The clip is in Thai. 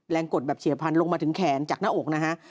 กดแบบเฉียบพันธลงมาถึงแขนจากหน้าอกนะฮะ